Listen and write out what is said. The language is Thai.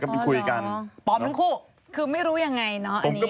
คือไม่รู้ยังไงเนาะ